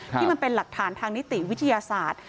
ที่มันเป็นหลักฐานทางนิติวิทยาศาสตร์